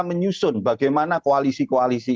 menyusun bagaimana koalisi koalisi